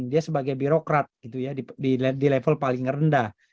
dia sebagai birokrat gitu ya di level paling rendah